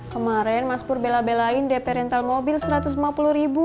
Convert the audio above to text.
kemarin mas pur bela belain dpr rental mobil rp satu ratus lima puluh ribu